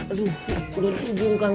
aduh udah dihujung kang